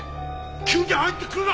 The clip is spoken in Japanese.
急に入ってくるな！